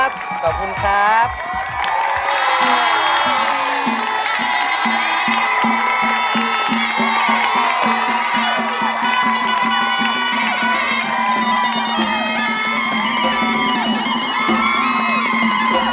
สวัสดีครับ